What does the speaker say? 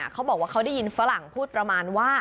เขาบอกว่าเขาได้ยินฝรั่งพูดประมาณว่า